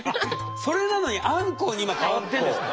それなのにあんこうに今かわってるんですか？